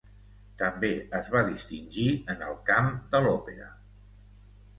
També es va distingir en el camp de l'òpera.